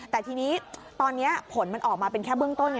แต่ทีนี้ตอนนี้ผลมันออกมาเป็นแค่เบื้องต้น